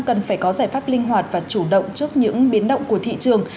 cần phải có giải pháp linh hoạt và chủ động trước những biến động của thị trường